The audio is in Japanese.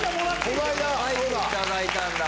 書いていただいたんだ。